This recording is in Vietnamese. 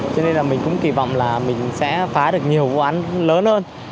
cho nên là mình cũng kỳ vọng là mình sẽ phá được nhiều vụ án lớn hơn